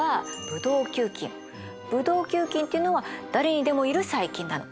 ブドウ球菌っていうのは誰にでもいる細菌なの。